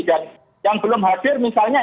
yang belum hadir misalnya